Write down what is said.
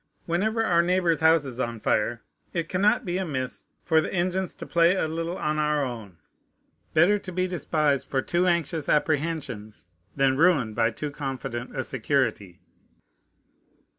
Whenever our neighbor's house is on fire, it cannot be amiss for the engines to play a little on our own. Better to be despised for too anxious apprehensions than ruined by too confident a security.